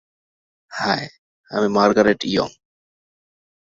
High, আমি Margaret young.